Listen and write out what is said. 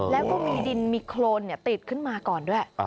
แล้วก็มีดินมีโครนติดขึ้นมาก่อนด้วย